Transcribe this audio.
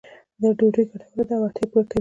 دا ډوډۍ ګټوره ده او اړتیا پوره کوي.